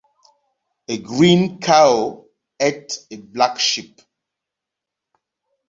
A green cow ate a black sheep.